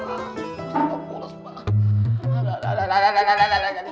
aduh aduh aduh aduh